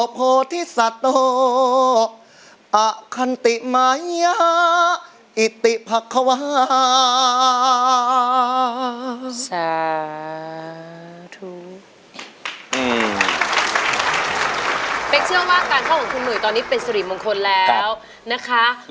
เชื่อว่าการเข้าของคุณหนุ่ยตอนนี้เป็นสิริมงคลแล้วนะคะ